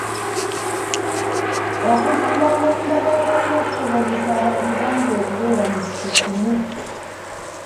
Okuzimba amayumba ga kalina kisobozesa abantu abangi okubeera mu kifo kimu.